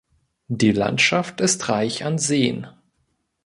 Die Landschaft ist reich an Seen.